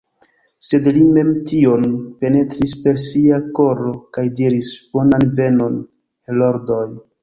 Sed li mem tion penetris per sia koro kaj diris: « Bonan venon, heroldoj!"